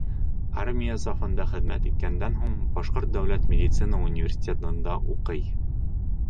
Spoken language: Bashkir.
Армия сафында хеҙмәт иткәндән һуң, Башҡорт дәүләт медицина университетында уҡый.